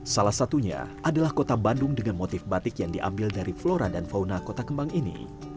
salah satunya adalah kota bandung dengan motif batik yang diambil dari flora dan fauna kota kembang ini